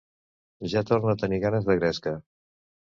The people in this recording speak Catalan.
Ja torna a tenir ganes de gresca.